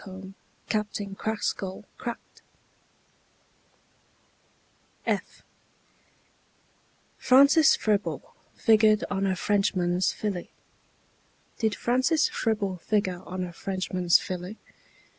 F f [Illustration: Francis Fribble] Francis Fribble figured on a Frenchman's Filly: Did Francis Fribble figure on a Frenchman's Filly?